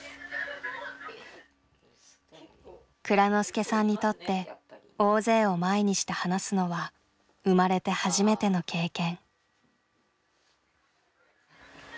蔵之介さんにとって大勢を前にして話すのは生まれて初めての経験。